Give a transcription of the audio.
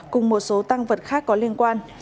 cùng một số tăng vật khác có liên quan